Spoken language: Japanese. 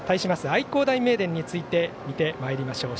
愛工大名電について見てまいりましょう。